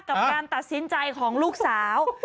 กับการตัดสินใจของลูกสาว